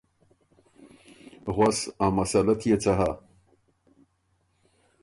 غؤس ا مسلۀ تيې څۀ هۀ؟